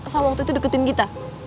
sama waktu itu deketin kita